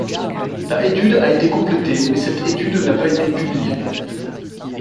La étude a été complété mais cette étude n’a pas été publié.